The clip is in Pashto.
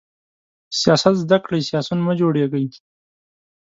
سیاست زده کړئ، سیاسیون مه جوړیږئ!